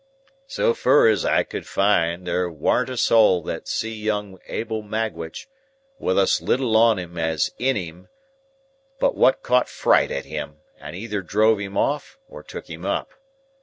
"So fur as I could find, there warn't a soul that see young Abel Magwitch, with us little on him as in him, but wot caught fright at him, and either drove him off, or took him up.